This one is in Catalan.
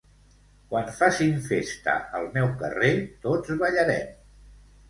Quan facin festa al meu carrer, tots ballarem.